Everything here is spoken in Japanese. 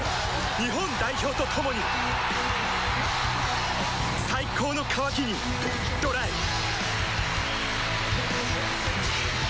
日本代表と共に最高の渇きにＤＲＹパパ。